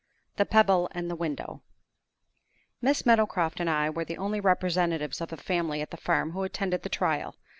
THE PEBBLE AND THE WINDOW. MISS MEADOWCROFT and I were the only representatives of the family at the farm who attended the trial.